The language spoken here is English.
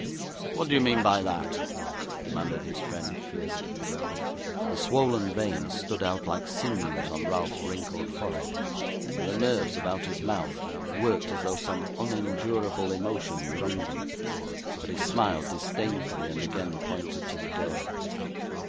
'What do you mean by that?' demanded his friend, fiercely. The swoln veins stood out like sinews on Ralph's wrinkled forehead, and the nerves about his mouth worked as though some unendurable emotion wrung them; but he smiled disdainfully, and again pointed to the door.